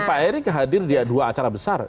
pak erick hadir di dua acara besar